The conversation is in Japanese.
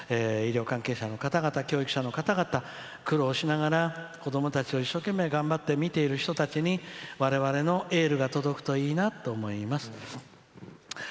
医療関係者の方々教育者の方々苦労しながら子どもたちを一生懸命頑張ってみている人たちにわれわれのエールが届くといいなと思います。